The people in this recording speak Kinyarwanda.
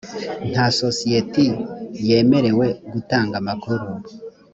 nta sosiyeti yemerewe gutanga amakuru